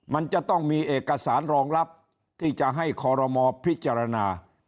มันจะต้องมีเอกสารรองรับที่จะให้คอรมอพิจารณา